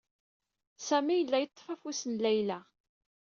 Sami yella yeṭṭef afus n Layla.